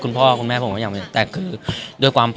คุณพ่อก็น่ารัก